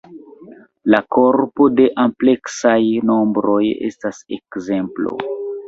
La korpo de kompleksaj nombroj estas ekzemplo.